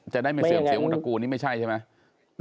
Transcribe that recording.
จะได้ไม่เสื่อมเสียวงตระกูลนี่ไม่ใช่ใช่ไหม